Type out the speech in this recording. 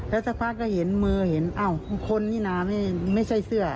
แล้วสักพักก็เห็นมือเห็นอ้าวคนนี่นะไม่ใช่เสื้อ